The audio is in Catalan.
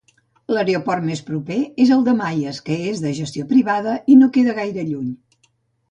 L'aeroport més proper és el de Mayes, que és de gestió privada i no queda gaire lluny.